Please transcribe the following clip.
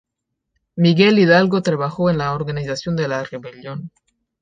Miguel Hidalgo trabajó en la organización de la rebelión.